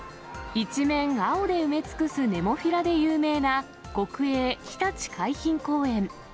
一面青で埋め尽くすネモフィラで有名な国営ひたち海浜公園。